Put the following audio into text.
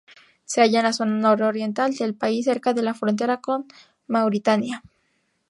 Se halla en la zona nororiental del país, cerca de la frontera con Mauritania.